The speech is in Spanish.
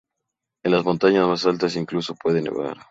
En las montañas más altas incluso puede nevar.